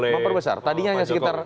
memperbesar tadinya hanya sekitar